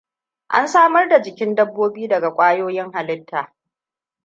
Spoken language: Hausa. An samar da jikin dabbobi daga ƙwayoyin halitta.